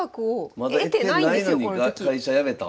まだ得てないのに会社辞めた？